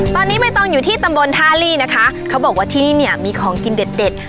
ตอนนี้ใบตองอยู่ที่ตำบลท่าลี่นะคะเขาบอกว่าที่นี่เนี่ยมีของกินเด็ดเด็ด